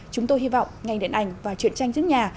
chúng tôi hy vọng ngành điện ảnh và chuyện tranh trước nhà